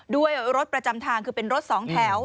ด้วยรถประจำทางคือเป็นรถสองแถว